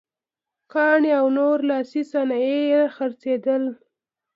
ګاڼې او نور لاسي صنایع یې خرڅېدل.